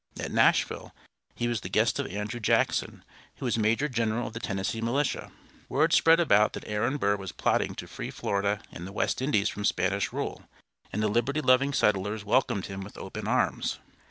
At Nashville he was the guest of Andrew Jackson, who was major general of the Tennessee militia. Word spread about that Aaron Burr was plotting to free Florida and the West Indies from Spanish rule, and the liberty loving settlers welcomed him with open arms.